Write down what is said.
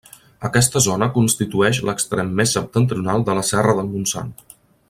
Aquesta zona constitueix l'extrem més septentrional de la serra del Montsant.